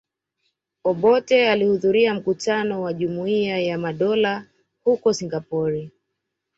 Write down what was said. Obote alihudhuria mkutano wa Jumuiya ya Madola huko Singapore